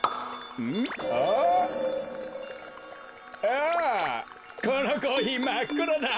ああこのコーヒーまっくろだ。